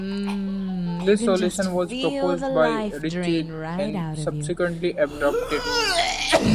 This solution was proposed by Ritchie, and subsequently adopted.